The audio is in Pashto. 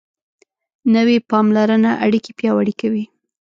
نوې پاملرنه اړیکې پیاوړې کوي